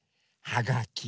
はがき。